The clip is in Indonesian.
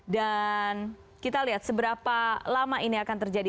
dan kita lihat seberapa lama ini akan terjadi